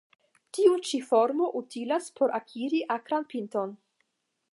Tiu ĉi formo utilas por akiri akran pinton.